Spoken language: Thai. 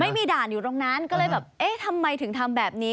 ไม่มีด่านอยู่ตรงนั้นก็เลยแบบเอ๊ะทำไมถึงทำแบบนี้